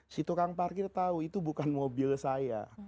si tukang parkir tahu itu bukan mobil saya